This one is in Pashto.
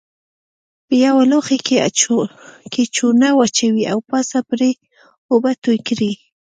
په یوه لوښي کې چونه واچوئ او پاسه پرې اوبه توی کړئ.